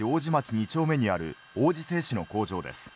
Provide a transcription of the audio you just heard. ２丁目にある王子製紙の工場です。